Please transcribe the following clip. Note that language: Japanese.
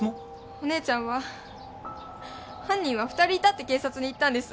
お姉ちゃんは犯人は二人いたって警察に言ったんです